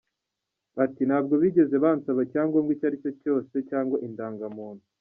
Ati “Ntabwo bigeze bansaba icyangombwa icyo ari cyo cyose cyangwa indangamuntu.